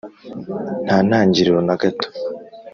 nta ntangiriro na gato.